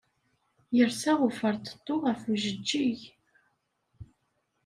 Yersa uferṭeṭṭu ɣef ujeǧǧig.